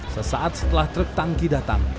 sesaat setelah truk tangki datang